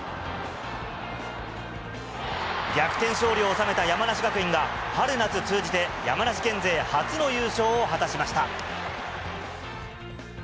逆転勝利を収めた山梨学院が、春夏通じて山梨県勢初の優勝を果たしました。